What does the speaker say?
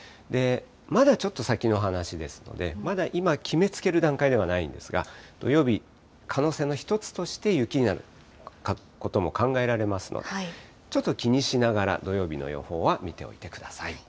まだちょっと先の話ですので、まだ今決めつける段階ではないんですが、土曜日、可能性の一つとして雪になることも考えられますので、ちょっと気にしながら、土曜日の予報は見ておいてください。